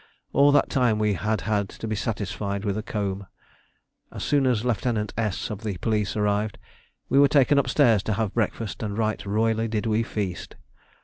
All that time we had had to be satisfied with a comb. As soon as Lieutenant S of the Police arrived, we were taken upstairs to have breakfast, and right royally did we feast.